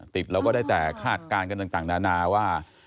เราก็ได้แต่คาดการณ์กันต่างนานาว่า